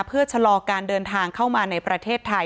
เพื่อชะลอการเดินทางเข้ามาในประเทศไทย